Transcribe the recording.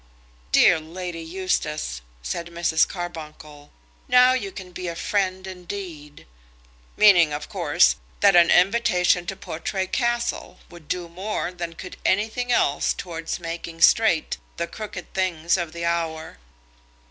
"Dear Lady Eustace," said Mrs. Carbuncle, "now you can be a friend indeed," meaning, of course, that an invitation to Portray Castle would do more than could anything else towards making straight the crooked things of the hour.